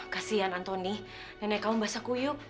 kasian anthony nenek kamu basah kuyuk